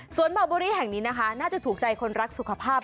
ส่วนเบาบุรีแห่งนี้นะคะน่าจะถูกใจคนรักสุขภาพ